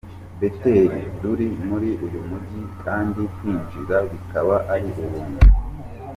Bethel ruri muri uyu mujyi kandi kwinjira bikaba ari ubuntu.